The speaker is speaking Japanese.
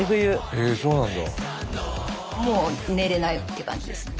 へえそうなんだ。